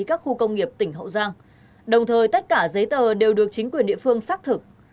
các khu công nghiệp tỉnh hậu giang đồng thời tất cả giấy tờ đều được chính quyền địa phương xác thực